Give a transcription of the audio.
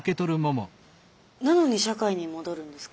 なのに社会に戻るんですか？